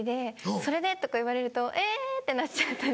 「それで？」とか言われると「えぇ！」ってなっちゃったり。